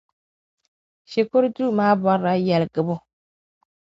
Shikuru duu maa bɔrila yaliɣibu.